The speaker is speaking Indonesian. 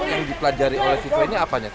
adalah tahap menengah